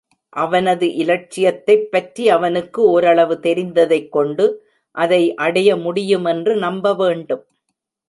அவனது இலட்சியத்தைப் பற்றி அவனுக்கு ஓரளவு தெரிந்ததைக் கொண்டு, அதை அடைய முடியுமென்று நம்ப வேண்டும்.